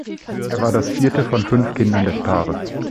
Er war das vierte von fünf Kindern des Paares.